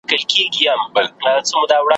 ته له مستۍ د پېغلتوبه خو چي نه تېرېدای `